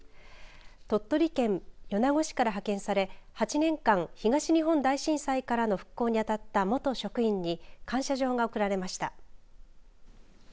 鳥取県米子市から派遣され８年間、東日本大震災からの復興に当たった元職員に感謝状が贈られました。